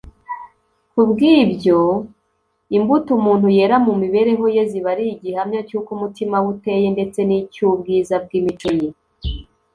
kubw’ibyo, imbuto umuntu yera mu mibereho ye ziba ari igihamya cy’uko umutima we uteye ndetse n’icy’ubwiza bw’imico ye